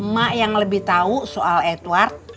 mak yang lebih tahu soal edward